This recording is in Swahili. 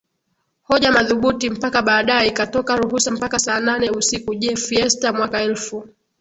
hoja madhubuti mpaka baadae ikatoka ruhusa mpaka saa nane usiku Je fiesta mwaka elfu